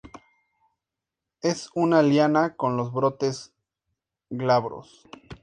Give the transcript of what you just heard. Es una Liana con los brotes glabros.